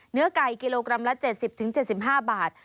เนื้อไก่กิโลกรัมละ๗๐๗๕บาท